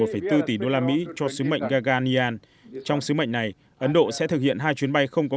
một bốn tỷ usd cho sứ mệnh gaganyaan trong sứ mệnh này ấn độ sẽ thực hiện hai chuyến bay không có